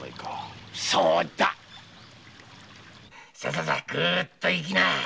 ささぐうっといきな。